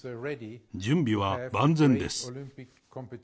準備は万全です。